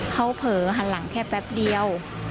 เขาเผลอหันหลังแค่แป๊บเดียว